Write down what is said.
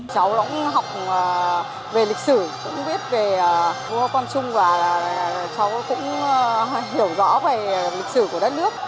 cháu cũng học về lịch sử cũng biết về vua con trung và cháu cũng hiểu rõ về lịch sử của đất nước